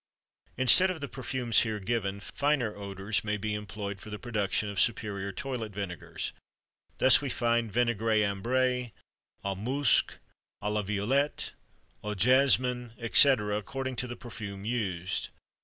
Instead of the perfumes here given, finer odors may be employed for the production of superior toilet vinegars; thus we find vinaigre ambré, au musc, à la violette, au jasmin, etc., according to the perfume used.